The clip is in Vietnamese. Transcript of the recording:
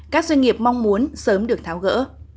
các doanh nghiệp mong muốn sớm được tháo gỡ